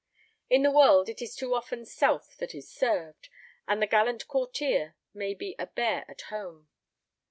In the world it is too often self that is served, and the gallant courtier may be a bear at home.